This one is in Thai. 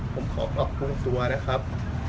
ผมขอปลอบภูมิตัวนะครับ